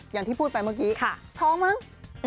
อย่างที่พูดไปเมื่อกี้ท้องมั้ง